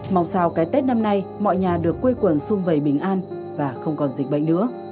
màu sao cái tết năm nay mọi nhà được quây quần xung vầy bình an và không còn dịch bệnh nữa